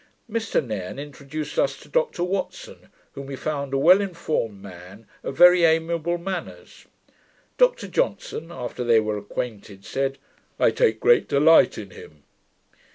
Mr Nairne introduced us to Dr Watson, whom we found a well informed man, of very amiable manners. Dr Johnson, after they were acquainted, said, 'I take great delight in him.'